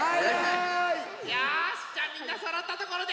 よしじゃみんなそろったところでつぎ。